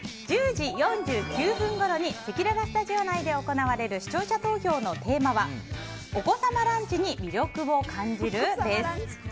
１０時４９分ごろにせきららスタジオ内で行われる視聴者投票のテーマはお子様ランチに魅力を感じる？です。